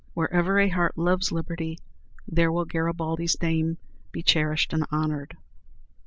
Wherever a heart loves liberty, there will Garibaldi's name be cherished and honored.